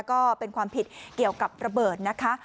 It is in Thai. ก็เป็นความผิดเกี่ยวกับระเบิดนะคะ